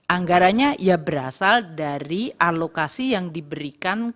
anggaranya ya berasal dari alokasi yang diberikan ke bapak presiden hj mwithat l fucker